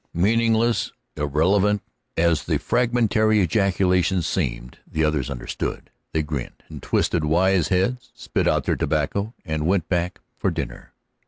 Meaningless, irrelevant, as that fragmentary ejaculation seemed, the others understood. They grinned, and twisted wise heads, spat out their tobacco, and went back to dinner.